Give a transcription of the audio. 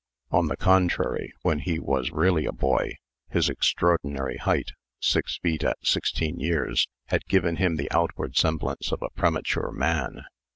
On the contrary, when he was really a boy, his extraordinary height (six feet at sixteen years) had given him the outward semblance of a premature man.